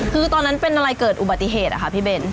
คือตอนนั้นเป็นอะไรเกิดอุบัติเหตุอะค่ะพี่เบน